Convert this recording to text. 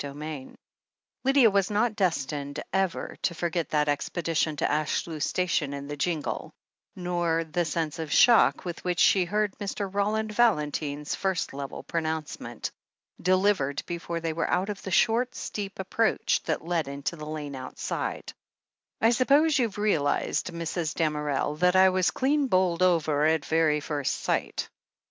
XXV Lydia was not destined ever to forget that expedition to Ashlew Station in the jingle, nor the sense of shock with which she heard Mr. Roland Valentine's first level pronouncement, delivered before they were out of the short, steep approach that led into the lane outside : "I suppose you've realized, Mrs. Damerel, that I was clean bowled over at very first sight."